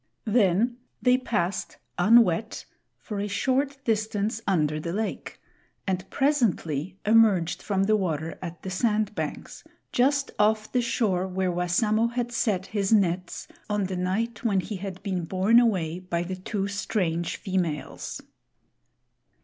Then they passed, unwet, for a short distance under the lake and presently emerged from the water at the sand banks, just off the shore where Wassamo had set his nets on the night when he had been borne away by the two strange females.